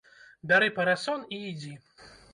Бяры парасон і ідзі!